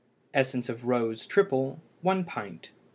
Essence of rose (triple) 1 pint.